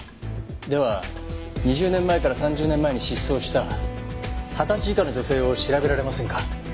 では２０年前から３０年前に失踪した二十歳以下の女性を調べられませんか？